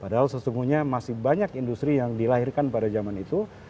padahal sesungguhnya masih banyak industri yang dilahirkan pada zaman itu